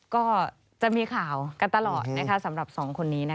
ก็จะมีข่าวกันตลอดสำหรับ๒คนนี้